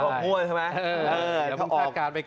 โง่นใช่ไหม